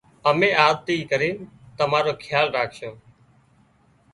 امين آز ٿي ڪرينَ تمارو کيال ڪرشان